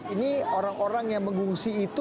ini orang orang yang mengungsi itu